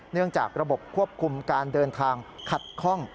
เนื่องจากระบบควบคุมการเดินทางขัดข้อง